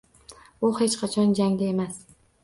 U hech qachon jangda emas.